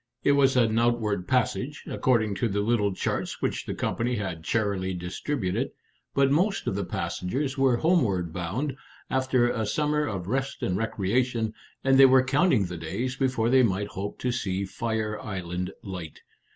It was an outward passage, according to the little charts which the company had charily distributed, but most of the passengers were homeward bound, after a summer of rest and recreation, and they were counting the days before they might hope to see Fire Island Light.